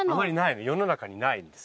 世の中にないです